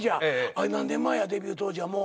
あれ何年前やデビュー当時は。